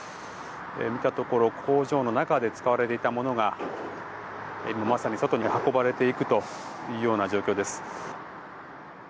見たところ工場の中で使われていたものが今まさに外に運ばれていくというような状況です。